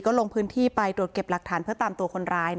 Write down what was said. ลงพื้นที่ไปตรวจเก็บหลักฐานเพื่อตามตัวคนร้าย